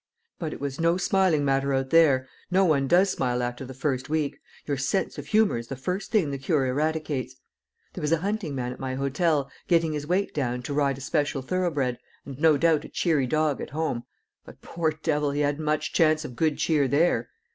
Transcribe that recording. "But it was no smiling matter out there. No one does smile after the first week; your sense of humour is the first thing the cure eradicates. There was a hunting man at my hotel, getting his weight down to ride a special thoroughbred, and no doubt a cheery dog at home; but, poor devil, he hadn't much chance of good cheer there!